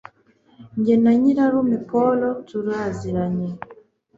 Jye na nyirarume Paul turaziranye